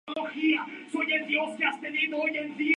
Eibar que lo cedió inmediatamente al Real Unión de Segunda "B".